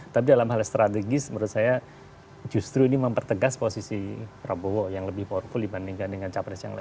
tapi dalam hal strategis menurut saya justru ini mempertegas posisi prabowo yang lebih powerful dibandingkan dengan capres yang lain